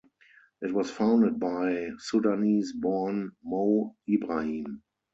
It was founded by Sudanese-born Mo Ibrahim.